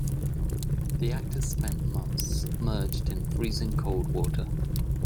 The actors spent months submerged in freezing cold water.